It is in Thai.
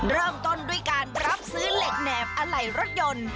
เริ่มต้นด้วยการรับซื้อเหล็กแหนบอะไหล่รถยนต์